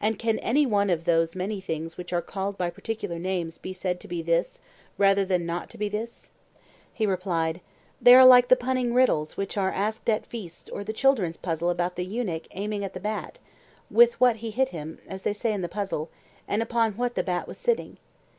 And can any one of those many things which are called by particular names be said to be this rather than not to be this? He replied: They are like the punning riddles which are asked at feasts or the children's puzzle about the eunuch aiming at the bat, with what he hit him, as they say in the puzzle, and upon what the bat was sitting.